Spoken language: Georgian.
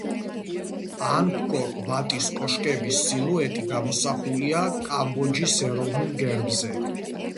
ანგკორ-ვატის კოშკების სილუეტი გამოსახულია კამბოჯის ეროვნულ გერბზე.